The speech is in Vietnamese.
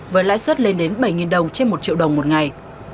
với lãi suất lên đến bảy đồng trên một triệu đồng một ngày